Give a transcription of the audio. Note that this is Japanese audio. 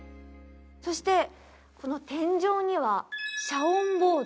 そしてこの天井には遮音ボード。